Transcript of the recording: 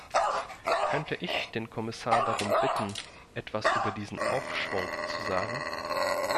Könnte ich den Kommissar darum bitten, etwas über diesen Aufschwung zu sagen?